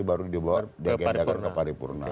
baru dibawa ke paripurna